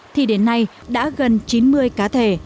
thì đến nay đã gần chín mươi cá thể